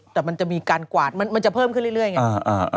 แต่มันจะมีการกวาดมันจะเพิ่มขึ้นเรื่อยไง